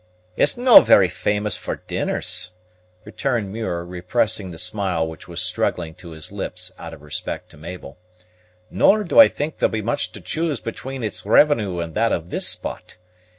"It's no' very famous for dinners," returned Muir, repressing the smile which was struggling to his lips out of respect to Mabel; "nor do I think there'll be much to choose between its revenue and that of this spot.